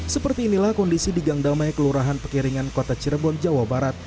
seperti inilah kondisi di gang damai kelurahan pekiringan kota cirebon jawa barat